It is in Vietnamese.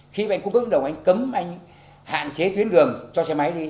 khi mà anh cung cấp dưỡng nở anh cấm anh hạn chế tuyến đường cho xe máy đi